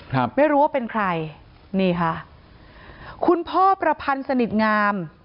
ครับไม่รู้ว่าเป็นใครนี่ค่ะคุณพ่อประพันธ์สนิทงาม